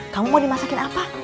kamu mau dimasakin apa